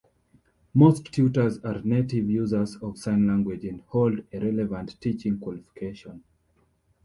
Most tutors are native users of sign language and hold a relevant teaching qualification.